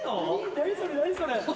何それ、何それ。